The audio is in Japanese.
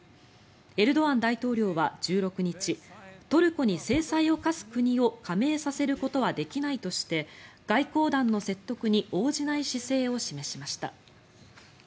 エルドアン大統領は１６日トルコに制裁を科す国を加盟させることはできないとして外交団の説得に応じない姿勢を示しました。